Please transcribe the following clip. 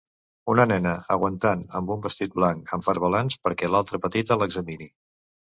Una nena aguantant amb un vestit blanc amb farbalans perquè l'altra petita l'examini.